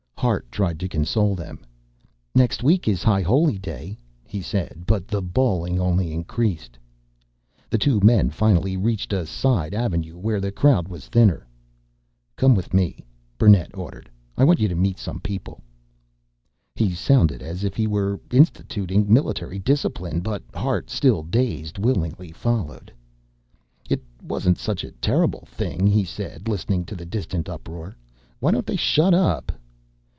Hart tried to console them. "Next week is High Holy Day," he said, but the bawling only increased. The two men finally reached a side avenue where the crowd was thinner. "Come with me," Burnett ordered, "I want you to meet some people." He sounded as if he were instituting military discipline but Hart, still dazed, willingly followed. "It wasn't such a terrible thing," he said, listening to the distant uproar. "Why don't they shut up!"